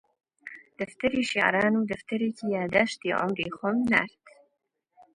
دەفتەری شیعران و دەفتەرێکی یادداشتی عومری خۆم نارد